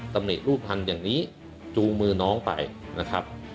ตำหนิรูปภัณฑ์อย่างนี้จูงมือน้องไปนะครับ